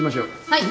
はい。